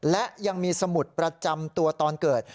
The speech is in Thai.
และยังมีสมุดประจำตัวตอนเกิด